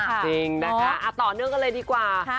จริงนะคะต่อเนื่องกันเลยดีกว่า